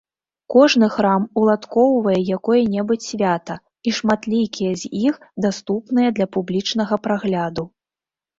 Кожны храм уладкоўвае якое-небудзь свята, і шматлікія з іх даступныя для публічнага прагляду.